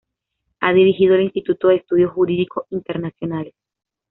Ha dirigido el Instituto de Estudios Jurídicos Internacionales.